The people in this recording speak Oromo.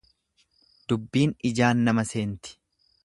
Dubbiin ijaan nama seenti.